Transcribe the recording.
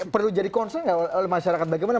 perlu jadi konsul nggak masyarakat bagaimana